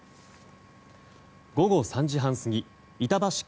午後３時半過ぎ板橋区